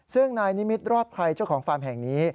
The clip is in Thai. ซึ่งนายนิมิตรอดภัยเจ้าของฟาร์มแห่งนี้